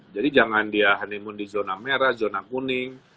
jadi jangan dia honeymoon di zona merah zona kuning